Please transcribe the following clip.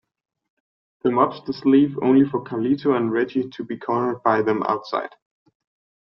The mobsters leave, only for Carlito and Reggie to be cornered by them outside.